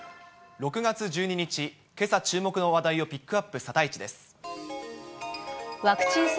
６月１２日、けさ注目の話題をピックアップ、サタイチです。